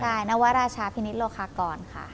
ใช่นวราชาพินิษฐโลกากรค่ะ